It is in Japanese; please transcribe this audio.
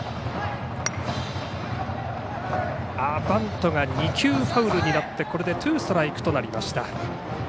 バントが２球ファウルになってこれでツーストライクとなりました。